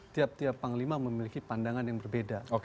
tiap tiap panglima memiliki pandangan yang berbeda